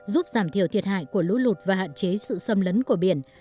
giúp giảm thiểu thiệt hại của lũ lụt và hạn chế sự xâm lấn của biển